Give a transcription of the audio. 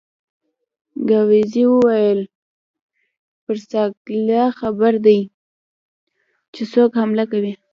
ګاووزي وویل: برساګلیریا خبر دي چې څوک حمله کوي؟